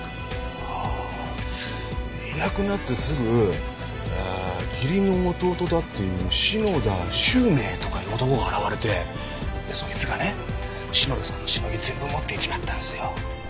いなくなってすぐ義理の弟だっていう篠田周明とかいう男が現れてそいつがね篠田さんのシノギ全部持っていっちまったんですよ。